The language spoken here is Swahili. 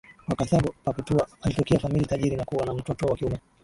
wa Karthago Perpetua alitokea familia tajiri na kuwa na mtoto wa kiume